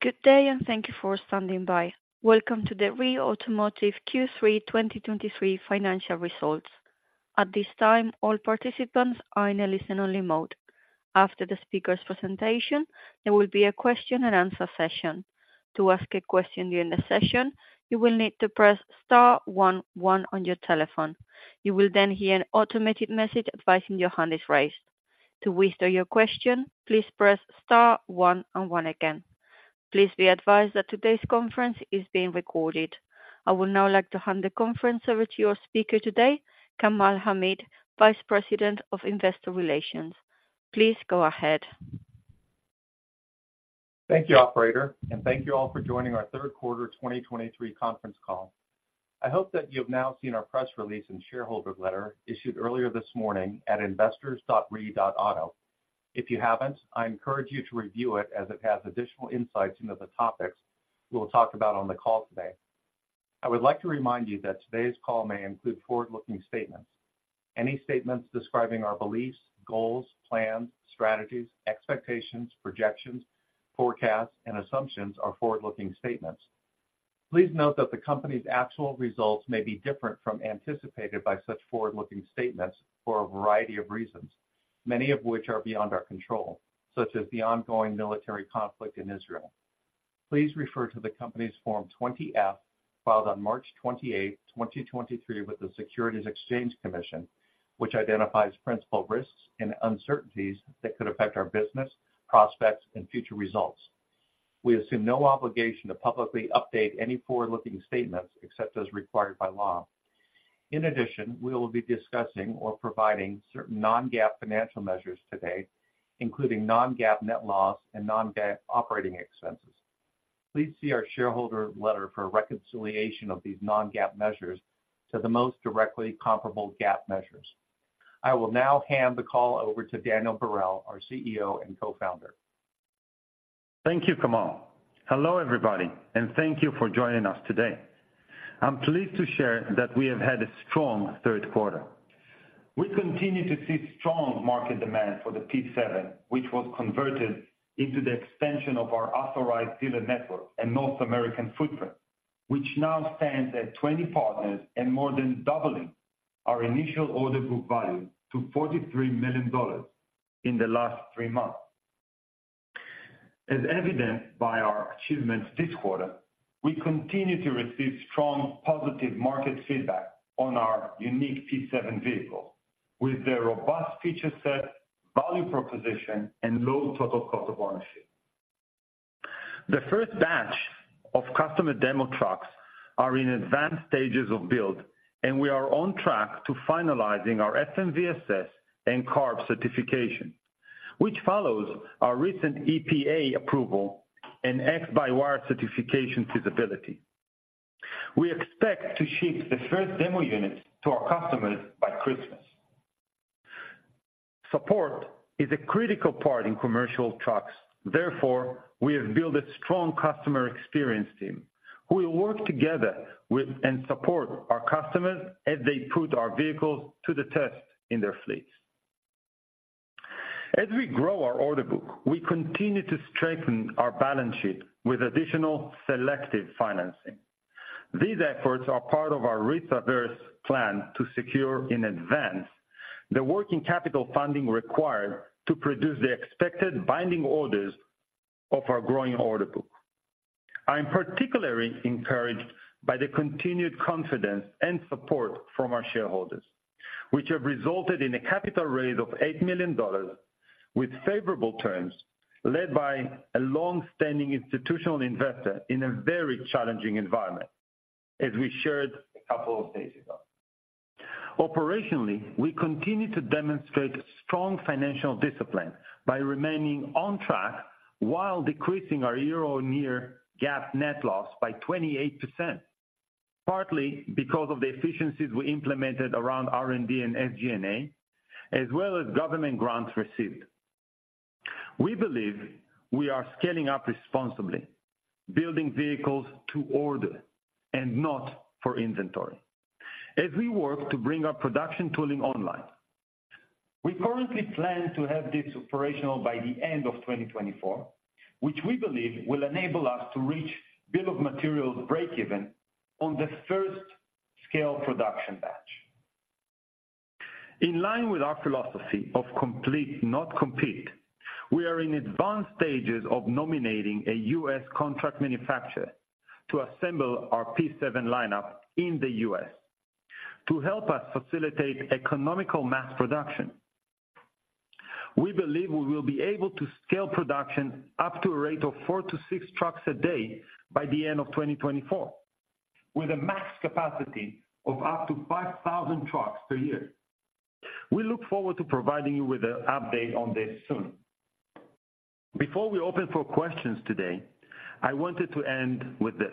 Good day, and thank you for standing by. Welcome to the REE Automotive Q3 2023 financial results. At this time, all participants are in a listen-only mode. After the speaker's presentation, there will be a question and answer session. To ask a question during the session, you will need to press star one, one on your telephone. You will then hear an automated message advising your hand is raised. To withdraw your question, please press star one and one again. Please be advised that today's conference is being recorded. I would now like to hand the conference over to your speaker today, Kamal Hamid, Vice President of Investor Relations. Please go ahead. Thank you, operator, and thank you all for joining our third quarter 2023 conference call. I hope that you've now seen our press release and shareholder letter issued earlier this morning at investors.ree.auto. If you haven't, I encourage you to review it as it has additional insights into the topics we'll talk about on the call today. I would like to remind you that today's call may include forward-looking statements. Any statements describing our beliefs, goals, plans, strategies, expectations, projections, forecasts, and assumptions are forward-looking statements. Please note that the company's actual results may be different from anticipated by such forward-looking statements for a variety of reasons, many of which are beyond our control, such as the ongoing military conflict in Israel. Please refer to the company's Form 20-F, filed on March 28th, 2023, with the Securities and Exchange Commission, which identifies principal risks and uncertainties that could affect our business, prospects, and future results. We assume no obligation to publicly update any forward-looking statements except as required by law. In addition, we will be discussing or providing certain non-GAAP financial measures today, including non-GAAP net loss and non-GAAP operating expenses. Please see our shareholder letter for a reconciliation of these non-GAAP measures to the most directly comparable GAAP measures. I will now hand the call over to Daniel Barel, our CEO and Co-Founder. Thank you, Kamal. Hello, everybody, and thank you for joining us today. I'm pleased to share that we have had a strong third quarter. We continue to see strong market demand for the P7, which was converted into the extension of our authorized dealer network and North American footprint, which now stands at 20 partners and more than doubling our initial order book value to $43 million in the last three months. As evidenced by our achievements this quarter, we continue to receive strong positive market feedback on our unique P7 vehicle, with a robust feature set, value proposition, and low total cost of ownership. The first batch of customer demo trucks are in advanced stages of build, and we are on track to finalizing our FMVSS and CARB certification, which follows our recent EPA approval and X-by-Wire certification feasibility. We expect to ship the first demo units to our customers by Christmas. Support is a critical part in commercial trucks. Therefore, we have built a strong customer experience team who will work together with and support our customers as they put our vehicles to the test in their fleets. As we grow our order book, we continue to strengthen our balance sheet with additional selective financing. These efforts are part of our risk-averse plan to secure in advance the working capital funding required to produce the expected binding orders of our growing order book. I am particularly encouraged by the continued confidence and support from our shareholders, which have resulted in a capital raise of $8 million with favorable terms, led by a long-standing institutional investor in a very challenging environment, as we shared a couple of days ago. Operationally, we continue to demonstrate strong financial discipline by remaining on track while decreasing our year-over-year GAAP net loss by 28%, partly because of the efficiencies we implemented around R&D and SG&A, as well as government grants received. We believe we are scaling up responsibly, building vehicles to order and not for inventory, as we work to bring our production tooling online. We currently plan to have this operational by the end of 2024, which we believe will enable us to reach Bill of Materials breakeven on the first scale production batch. In line with our philosophy of complete, not compete, we are in advanced stages of nominating a U.S. contract manufacturer to assemble our P7 lineup in the U.S. to help us facilitate economical mass production. We believe we will be able to scale production up to a rate of four-six trucks a day by the end of 2024, with a max capacity of up to 5,000 trucks per year. We look forward to providing you with an update on this soon. Before we open for questions today, I wanted to end with this.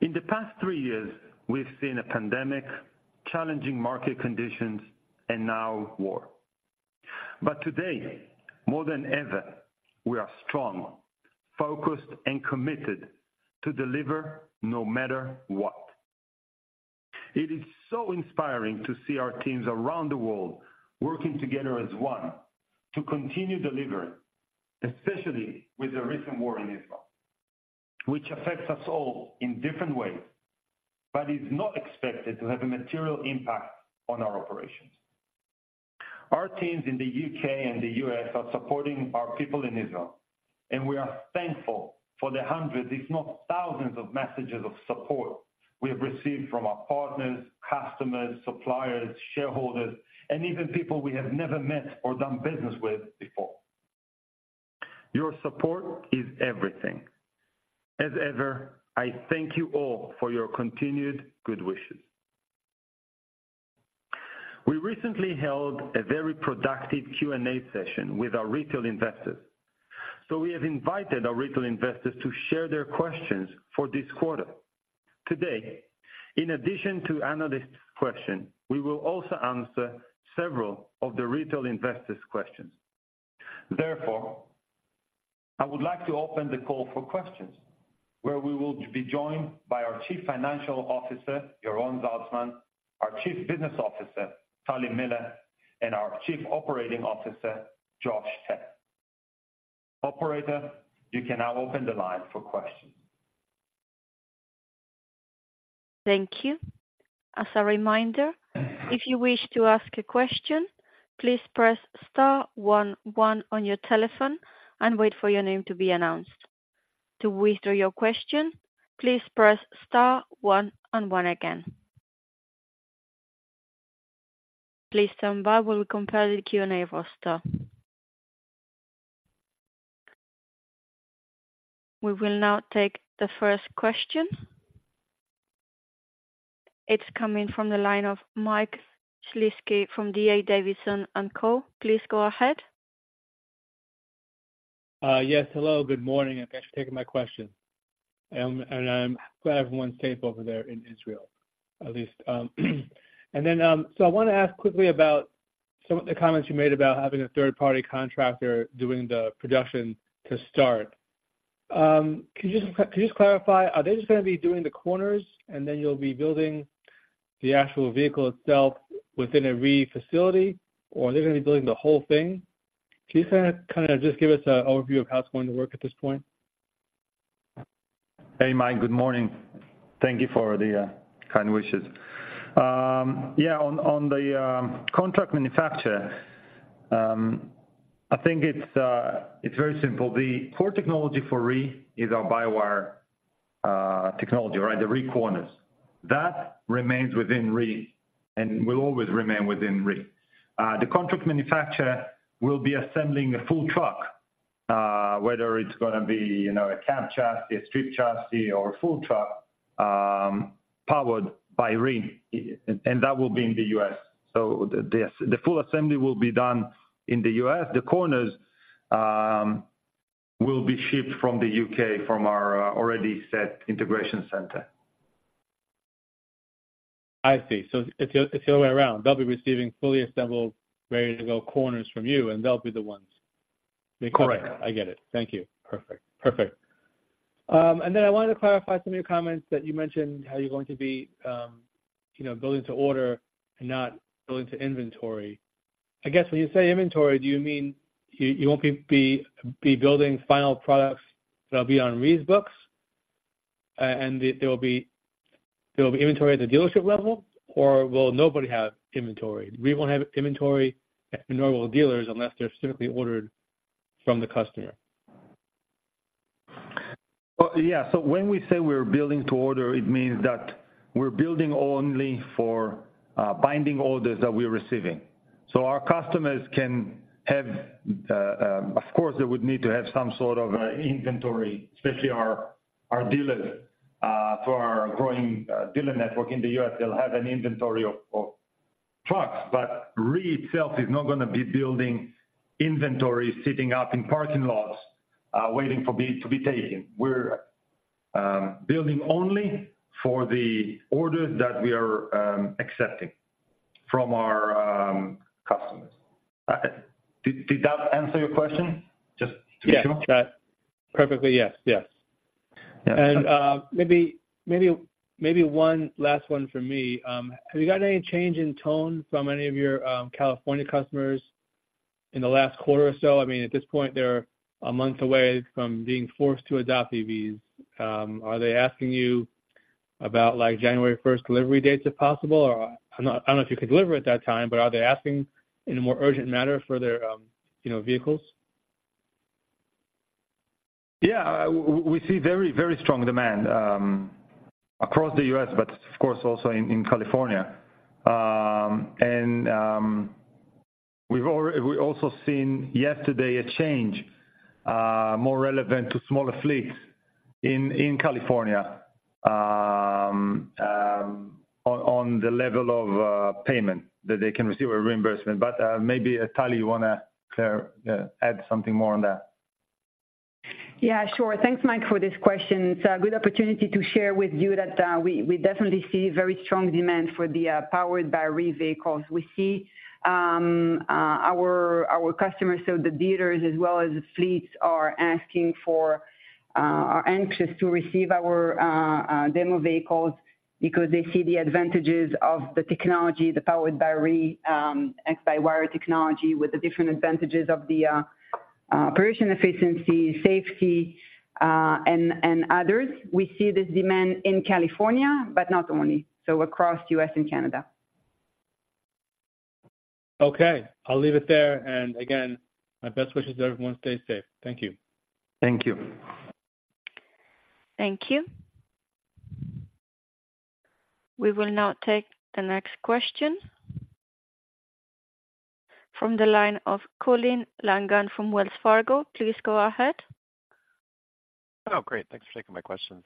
In the past three years, we've seen a pandemic, challenging market conditions, and now war. But today, more than ever, we are strong, focused, and committed to deliver no matter what. It is so inspiring to see our teams around the world working together as one to continue delivering, especially with the recent war in Israel, which affects us all in different ways, but is not expected to have a material impact on our operations. Our teams in the U.K. and the U.S. are supporting our people in Israel, and we are thankful for the hundreds, if not thousands, of messages of support we have received from our partners, customers, suppliers, shareholders, and even people we have never met or done business with before. Your support is everything. As ever, I thank you all for your continued good wishes. We recently held a very productive Q&A session with our retail investors. We have invited our retail investors to share their questions for this quarter. Today, in addition to analysts' question, we will also answer several of the retail investors' questions. Therefore, I would like to open the call for questions, where we will be joined by our Chief Financial Officer, Yaron Zaltsman, our Chief Business Officer, Tali Miller, and our Chief Operating Officer, Josh Tech. Operator, you can now open the line for questions. Thank you. As a reminder, if you wish to ask a question, please press star one one on your telephone and wait for your name to be announced. To withdraw your question, please press star one and one again. Please stand by while we compile the Q&A roster. We will now take the first question. It's coming from the line of Mike Shlisky from D.A. Davidson & Co. Please go ahead. Yes, hello, good morning. And thanks for taking my question. I'm glad everyone's safe over there in Israel, at least. Then, so I want to ask quickly about some of the comments you made about having a third-party contractor doing the production to start. Could you just, could you just clarify, are they just going to be doing the corners, and then you'll be building the actual vehicle itself within a REE facility, or are they going to be building the whole thing? Can you kinda, kinda just give us an overview of how it's going to work at this point? Hey, Mike, good morning. Thank you for the kind wishes. Yeah, on the contract manufacturer, I think it's very simple. The core technology for REE is our by-wire technology, right? The REEcorners. That remains within REE and will always remain within REE. The contract manufacturer will be assembling a full truck, whether it's gonna be, you know, a cab chassis, a stripped chassis, or a full truck, Powered by REE, and that will be in the U.S. So the full assembly will be done in the U.S. The corners will be shipped from the U.K., from our already set integration center. I see. So it's the, it's the other way around. They'll be receiving fully assembled, ready-to-go corners from you, and they'll be the ones- Correct. I get it. Thank you. Perfect. Perfect. And then I wanted to clarify some of your comments that you mentioned, how you're going to be, you know, building to order and not building to inventory. I guess when you say inventory, do you mean you won't be building final products that will be on REE's books, and there will be inventory at the dealership level? Or will nobody have inventory? REE won't have inventory at the normal dealers unless they're specifically ordered from the customer. Well, yeah. So when we say we're building to order, it means that we're building only for binding orders that we're receiving. So our customers can have, of course, they would need to have some sort of inventory, especially our dealers for our growing dealer network in the U.S. They'll have an inventory of trucks, but REE itself is not gonna be building inventory, sitting up in parking lots, waiting for vehicles to be taken. We're building only for the orders that we are accepting from our customers. Did that answer your question? Just to be sure. Yeah. Got it. Perfectly, yes. Yes. Yeah. Maybe one last one from me. Have you got any change in tone from any of your California customers in the last quarter or so? I mean, at this point, they're a month away from being forced to adopt EVs. Are they asking you about, like, January first delivery dates, if possible? Or I don't know if you could deliver at that time, but are they asking in a more urgent manner for their, you know, vehicles? Yeah, we see very, very strong demand across the U.S., but of course, also in California. We've also seen yesterday a change more relevant to smaller fleets in California on the level of payment that they can receive a reimbursement. But maybe, Tali, you want to clarify and add something more on that? Yeah, sure. Thanks, Mike, for this question. It's a good opportunity to share with you that, we definitely see very strong demand for the Powered by REE vehicles. We see our customers, so the dealers as well as the fleets, are anxious to receive our demo vehicles because they see the advantages of the technology, the Powered by REE X-by-Wire technology, with the different advantages of the operation efficiency, safety, and others. We see this demand in California, but not only, so across U.S. and Canada. Okay, I'll leave it there, and again, my best wishes to everyone. Stay safe. Thank you. Thank you. Thank you. We will now take the next question from the line of Colin Langan from Wells Fargo. Please go ahead. Oh, great! Thanks for taking my questions.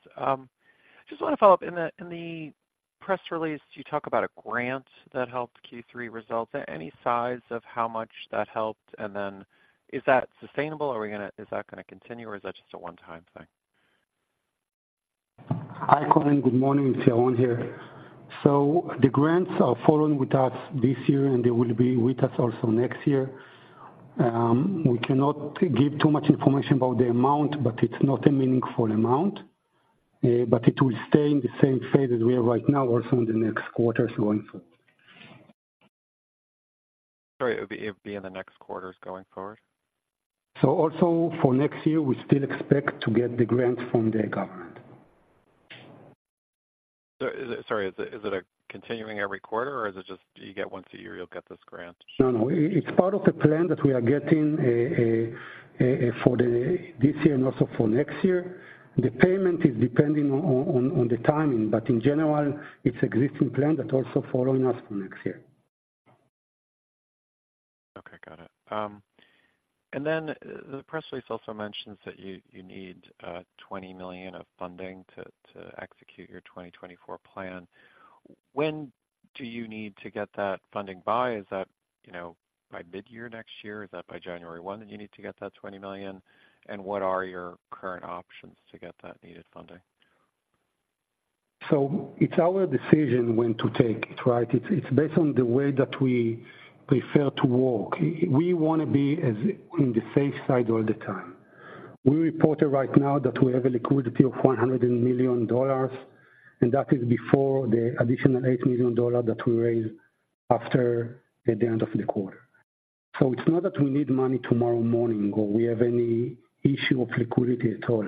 Just want to follow up. In the press release, you talk about a grant that helped Q3 results. Any sense of how much that helped? And then is that sustainable, or is that gonna continue, or is that just a one-time thing? Hi, Colin. Good morning. It's Yaron here. So the grants are following with us this year, and they will be with us also next year. We cannot give too much information about the amount, but it's not a meaningful amount. But it will stay in the same phase as we are right now, also in the next quarters going forward. Sorry, it would, it would be in the next quarters going forward? So also for next year, we still expect to get the grant from the government. So, is it a continuing every quarter, or is it just you get once a year, you'll get this grant? No, no. It's part of the plan that we are getting a for this year and also for next year. The payment is depending on the timing, but in general, it's existing plan that also following us for next year. Okay, got it. And then the press release also mentions that you, you need $20 million of funding to execute your 2024 plan. When do you need to get that funding by? Is that, you know, by midyear next year? Is that by January 1 that you need to get that $20 million? And what are your current options to get that needed funding? So it's our decision when to take it, right? It's based on the way that we prefer to work. We want to be on the safe side all the time. We reported right now that we have a liquidity of $100 million, and that is before the additional $8 million that we raised after, at the end of the quarter. So it's not that we need money tomorrow morning, or we have any issue of liquidity at all,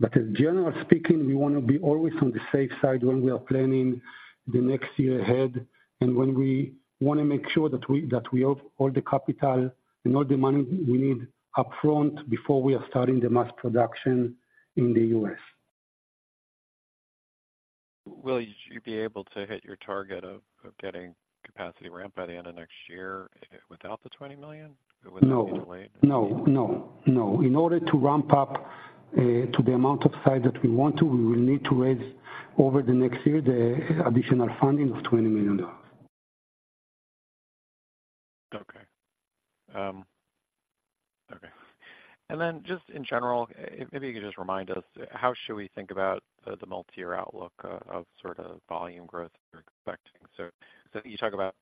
but generally speaking, we want to be always on the safe side when we are planning the next year ahead. And when we want to make sure that we have all the capital and all the money we need upfront before we are starting the mass production in the U.S. Will you be able to hit your target of getting capacity ramp by the end of next year without the $20 million? No. Or would that be delayed? No, no, no. In order to ramp up, to the amount of size that we want to, we will need to raise over the next year the additional funding of $20 million. Okay. Okay. And then just in general, if maybe you could just remind us, how should we think about the multi-year outlook of sort of volume growth you're expecting? So you talk about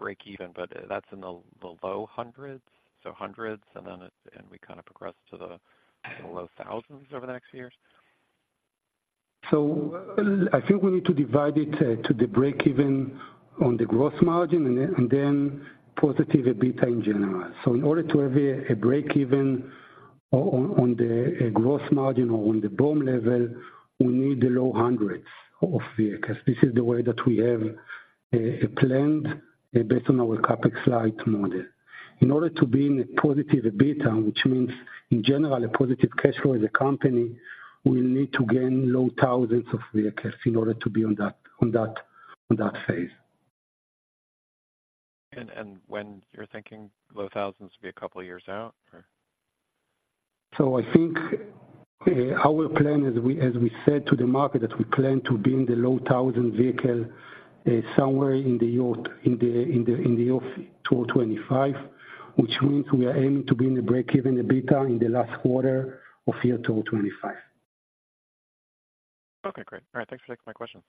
breakeven, but that's in the low hundreds, and then we kind of progress to the low thousands over the next few years? So I think we need to divide it to the breakeven on the gross margin and then positive EBITDA in general. So in order to have a breakeven on the gross margin or on the BOM level, we need the low hundreds of vehicles. This is the way that we have planned based on our CapEx-light model. In order to be in a positive EBITDA, which means in general, a positive cash flow as a company, we need to gain low thousands of vehicles in order to be on that phase. And when you're thinking low thousands to be a couple of years out, or? So I think, our plan as we said to the market, that we plan to be in the low thousand vehicle, somewhere in the year 2025, which means we are aiming to be in the break-even EBITDA in the last quarter of year 2025. Okay, great. All right. Thanks for taking my questions.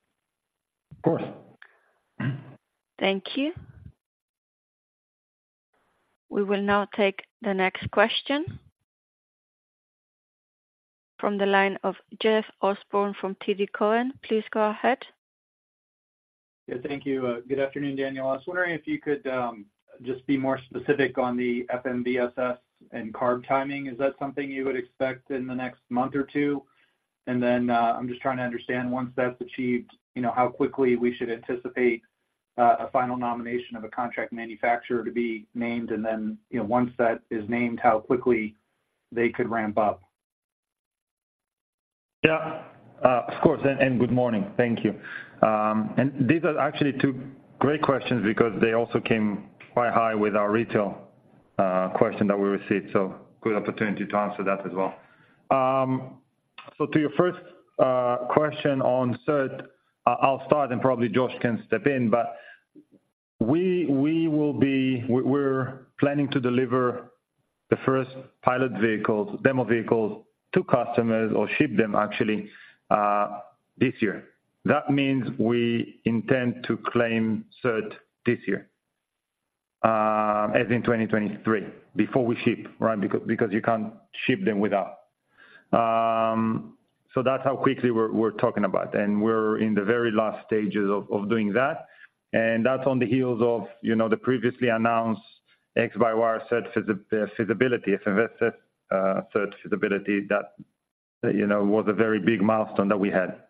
Of course. Thank you. We will now take the next question from the line of Jeff Osborne from TD Cowen. Please go ahead. Yeah, thank you. Good afternoon, Daniel. I was wondering if you could just be more specific on the FMVSS and CARB timing. Is that something you would expect in the next month or two? And then, I'm just trying to understand, once that's achieved, you know, how quickly we should anticipate a final nomination of a contract manufacturer to be named, and then, you know, once that is named, how quickly they could ramp up? Yeah, of course, and good morning. Thank you. And these are actually two great questions because they also came quite high with our retail question that we received, so good opportunity to answer that as well. So to your first question on cert, I'll start and probably Josh can step in. We're planning to deliver the first pilot vehicles, demo vehicles to customers or ship them actually this year. That means we intend to claim cert this year, as in 2023, before we ship, right? Because you can't ship them without. So that's how quickly we're talking about, and we're in the very last stages of doing that, and that's on the heels of, you know, the previously announced X-by-Wire certification feasibility, FMVSS cert, certification feasibility that, you know, was a very big milestone that we had.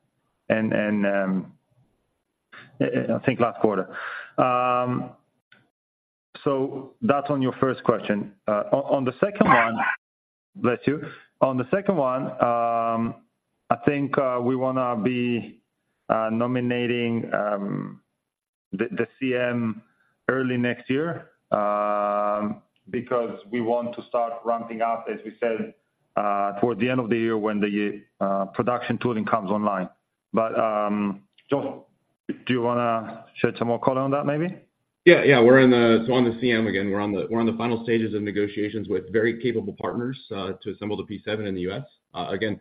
And I think last quarter. So that's on your first question. On the second one, bless you. On the second one, I think we wanna be nominating the CM early next year, because we want to start ramping up, as we said, towards the end of the year when the production tooling comes online. But Josh, do you wanna shed some more color on that, maybe? Yeah, yeah. So on the CM, again, we're on the final stages of negotiations with very capable partners to assemble the P7 in the U.S. Again,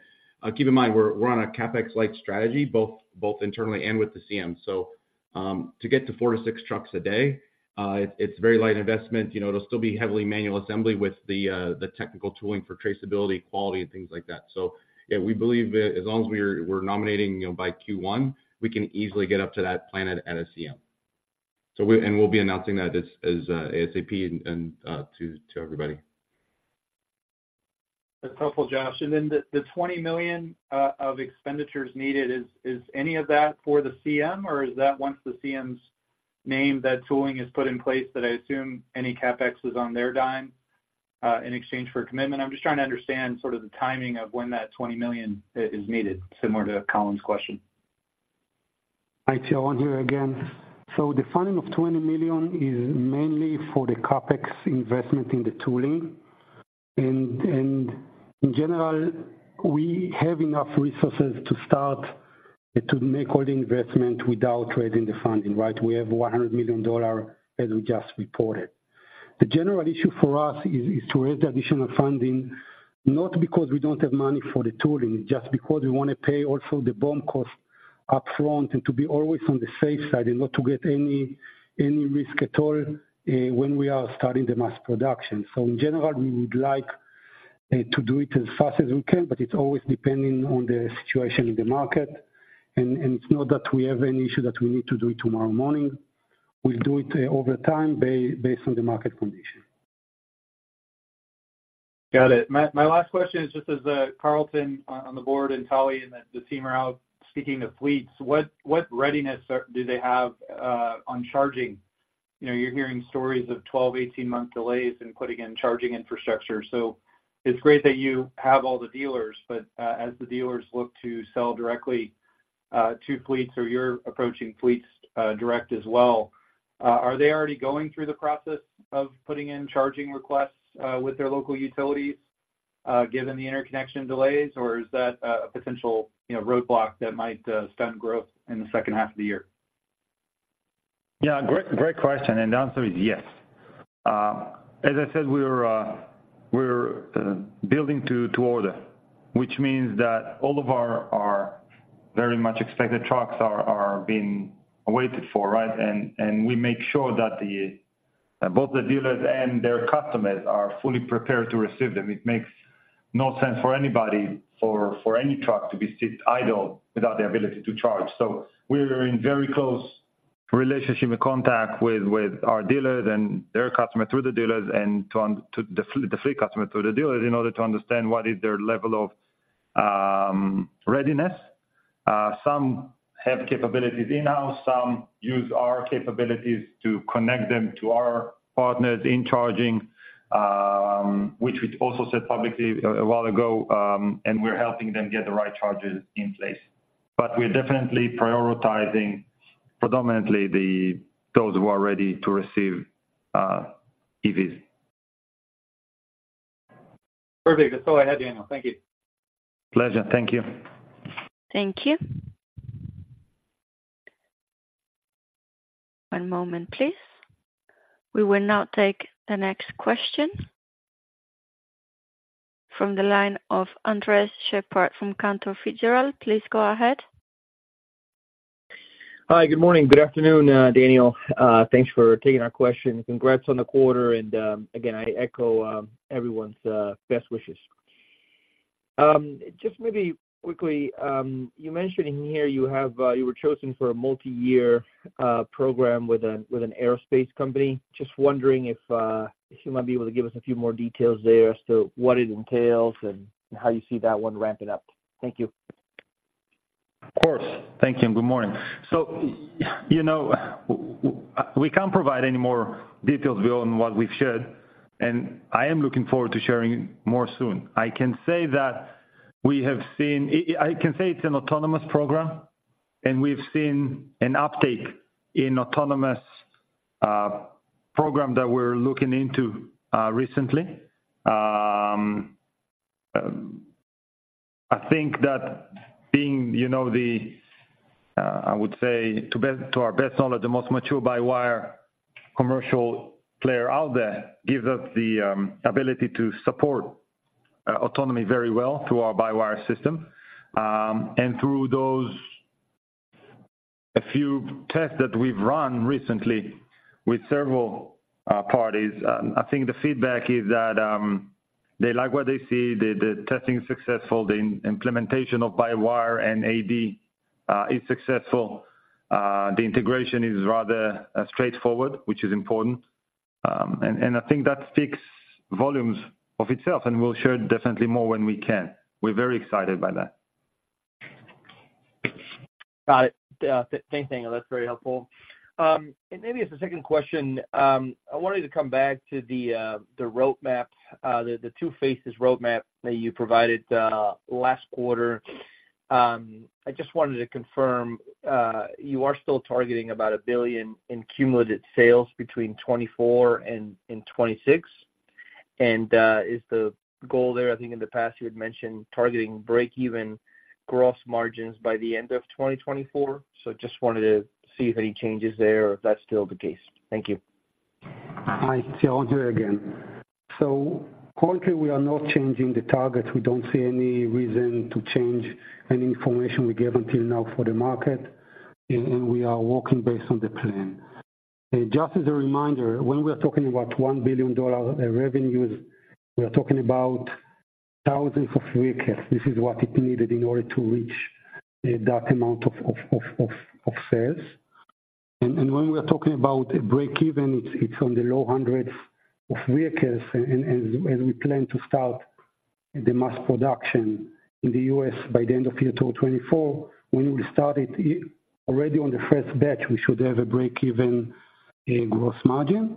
keep in mind, we're on a CapEx-light strategy, both internally and with the CM. So, to get to four-six trucks a day, it's very light investment. You know, it'll still be heavily manual assembly with the technical tooling for traceability, quality, and things like that. So, yeah, we believe that as long as we're nominating, you know, by Q1, we can easily get up to that plan at a CM. So, and we'll be announcing that as ASAP and to everybody. That's helpful, Josh. And then the $20 million of expenditures needed—is any of that for the CM? Or is that once the CM's named, that tooling is put in place, that I assume any CapEx is on their dime in exchange for a commitment? I'm just trying to understand sort of the timing of when that $20 million is needed, similar to Colin's question. Hi, it's Yaron here again. So the funding of $20 million is mainly for the CapEx investment in the tooling. In general, we have enough resources to start to make all the investment without raising the funding, right? We have $100 million, as we just reported. The general issue for us is to raise additional funding, not because we don't have money for the tooling, just because we wanna pay also the BOM cost upfront and to be always on the safe side and not to get any risk at all, when we are starting the mass production. So in general, we would like to do it as fast as we can, but it's always depending on the situation in the market. It's not that we have any issue that we need to do it tomorrow morning. We'll do it, over time, based on the market condition. Got it. My last question is just as Carlton on the Board and Tali and the team are out speaking to fleets, what readiness do they have on charging? You know, you're hearing stories of 12- and 18-month delays in putting in charging infrastructure. So it's great that you have all the dealers, but as the dealers look to sell directly to fleets, or you're approaching fleets direct as well, are they already going through the process of putting in charging requests with their local utilities given the interconnection delays? Or is that a potential roadblock that might stunt growth in the second half of the year? Yeah, great, great question, and the answer is yes. As I said, we're building to order, which means that all of our very much expected trucks are being awaited for, right? And we make sure that both the dealers and their customers are fully prepared to receive them. It makes no sense for anybody for any truck to be sit idle without the ability to charge. So we're in very close relationship and contact with our dealers and their customer, through the dealers, and to the fleet customer, through the dealers, in order to understand what is their level of readiness. Some have capabilities in-house, some use our capabilities to connect them to our partners in charging, which we also said publicly a while ago, and we're helping them get the right charges in place. But we're definitely prioritizing, predominantly, those who are ready to receive EVs. Perfect. That's all I had, Daniel. Thank you. Pleasure. Thank you. Thank you. One moment, please. We will now take the next question from the line of Andres Sheppard from Cantor Fitzgerald. Please go ahead. Hi, good morning. Good afternoon, Daniel. Thanks for taking our question. Congrats on the quarter, and again, I echo everyone's best wishes. Just maybe quickly, you mentioned in here you were chosen for a multiyear program with an aerospace company. Just wondering if you might be able to give us a few more details there as to what it entails and how you see that one ramping up. Thank you. Of course. Thank you, and good morning. So, you know, we can't provide any more details beyond what we've shared, and I am looking forward to sharing more soon. I can say that we have seen I, I can say it's an autonomous program, and we've seen an uptake in autonomous program that we're looking into recently. I think that being, you know, the, I would say, to our best knowledge, the most mature by-wire commercial player out there, gives us the ability to support autonomy very well through our by-wire system. And through those, a few tests that we've run recently with several parties, I think the feedback is that they like what they see. The testing is successful, the implementation of by-wire and AD is successful. The integration is rather straightforward, which is important. And I think that speaks volumes of itself, and we'll share definitely more when we can. We're very excited by that. Got it. Thank you, that's very helpful. Maybe as a second question, I wanted to come back to the roadmap, the two phases roadmap that you provided last quarter. I just wanted to confirm, you are still targeting about $1 billion in cumulative sales between 2024 and 2026? Is the goal there, I think in the past you had mentioned targeting break-even gross margins by the end of 2024. Just wanted to see if any changes there, or if that's still the case. Thank you. Hi, it's Yaron again. So currently, we are not changing the target. We don't see any reason to change any information we gave until now for the market, and we are working based on the plan. Just as a reminder, when we are talking about $1 billion revenues, we are talking about thousands of vehicles. This is what is needed in order to reach that amount of sales. And when we are talking about breakeven, it's on the low hundreds of vehicles, and we plan to start the mass production in the U.S. by the end of Q2 2024. When we start it, already on the first batch, we should have a breakeven gross margin.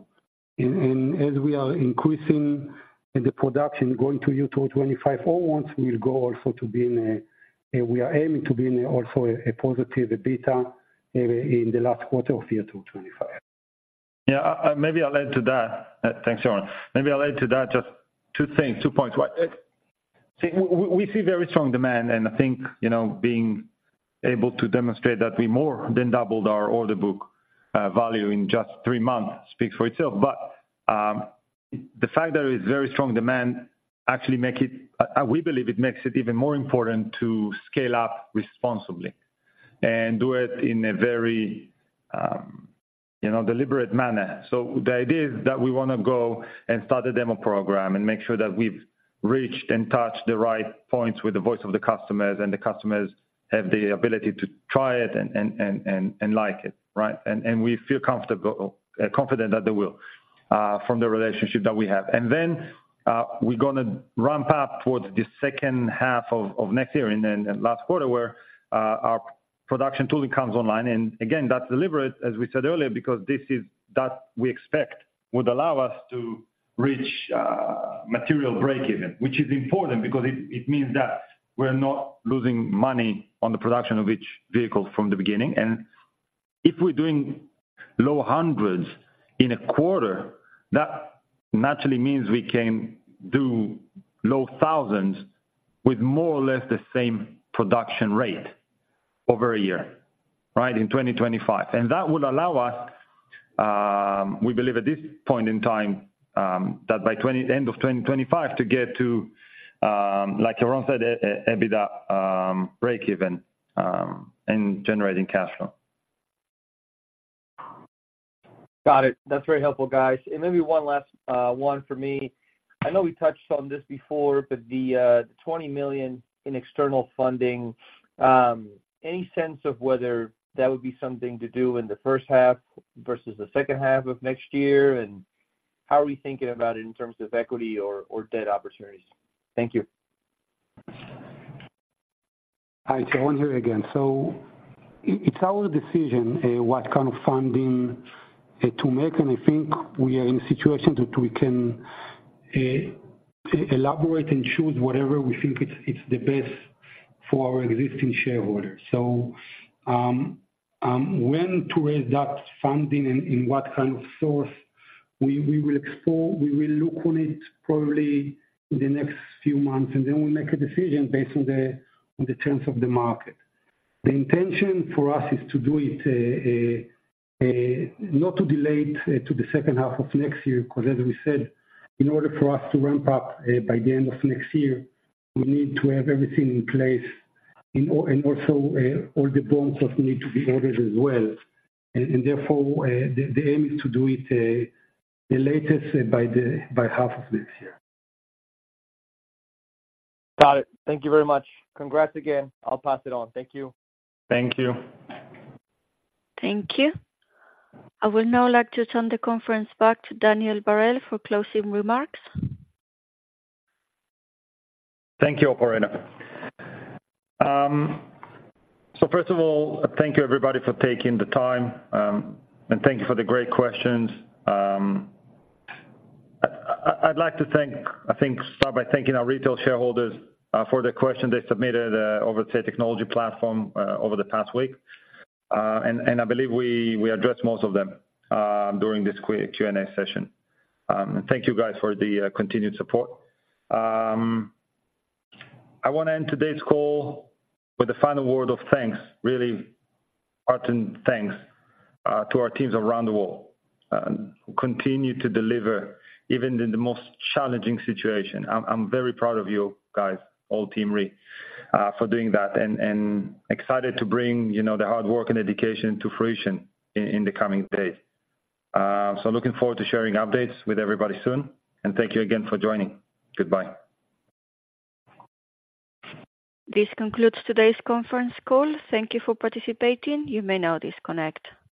As we are increasing the production going to Q2 2025 onwards, we'll go also to be in a, we are aiming to be in also a positive EBITDA, in the last quarter of Q2 2025. Yeah, maybe I'll add to that. Thanks, Yaron. Maybe I'll add to that just two things, two points. One, we see very strong demand, and I think, you know, being able to demonstrate that we more than doubled our order book value in just three months speaks for itself. But, the fact there is very strong demand actually, we believe it makes it even more important to scale up responsibly, and do it in a very, you know, deliberate manner. So the idea is that we wanna go and start a demo program and make sure that we've reached and touched the right points with the voice of the customers, and the customers have the ability to try it and like it, right? We feel comfortable, confident that they will, from the relationship that we have. Then, we're gonna ramp up towards the second half of next year and then last quarter, where our production truly comes online. And again, that's deliberate, as we said earlier, because this is that we expect would allow us to reach material break even, which is important because it means that we're not losing money on the production of each vehicle from the beginning. And if we're doing low hundreds in a quarter, that naturally means we can do low thousands with more or less the same production rate over a year, right? In 2025. That would allow us, we believe at this point in time, that by the end of 2025, to get to, like Yaron said, EBITDA break even, and generating cash flow. Got it. That's very helpful, guys. And maybe one last one for me. I know we touched on this before, but the $20 million in external funding, any sense of whether that would be something to do in the first half versus the second half of next year? And how are we thinking about it in terms of equity or, or debt opportunities? Thank you. Hi, Yaron here again. It's our decision what kind of funding to make, and I think we are in a situation that we can elaborate and choose whatever we think it's the best for our existing shareholders. So, when to raise that funding and what kind of source, we will explore, we will look on it probably in the next few months, and then we'll make a decision based on the terms of the market. The intention for us is to do it not too delayed to the second half of next year, 'cause as we said, in order for us to ramp up by the end of next year, we need to have everything in place. And also, all the BOMs need to be ordered as well. And therefore, the aim is to do it, the latest by half of this year. Got it. Thank you very much. Congrats again. I'll pass it on. Thank you. Thank you. Thank you. I would now like to turn the conference back to Daniel Barel for closing remarks. Thank you, operator. So first of all, thank you, everybody, for taking the time, and thank you for the great questions. I'd like to thank—I think—start by thanking our retail shareholders for the questions they submitted over the technology platform over the past week. And I believe we addressed most of them during this Q&A session. Thank you guys for the continued support. I wanna end today's call with a final word of thanks. Really heartfelt thanks to our teams around the world who continue to deliver even in the most challenging situation. I'm very proud of you guys, all Team REE, for doing that, and excited to bring, you know, the hard work and dedication to fruition in the coming days. Looking forward to sharing updates with everybody soon, and thank you again for joining. Goodbye. This concludes today's conference call. Thank you for participating. You may now disconnect.